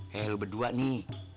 hei lu berdua nih